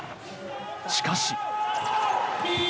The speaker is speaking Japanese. しかし。